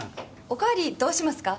お代わりどうしますか？